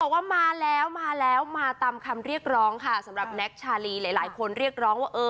ว่ามาแล้วมาแล้วมาตามคำเรียกร้องค่ะสำหรับแน็กชาลีหลายคนเรียกร้องว่า